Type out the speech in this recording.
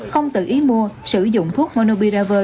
không tự ý mua sử dụng thuốc monubiravia